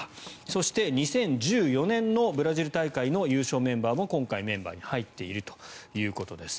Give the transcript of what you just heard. そして、２０１４年のブラジル大会の優勝メンバーも今回メンバーに入っているということです。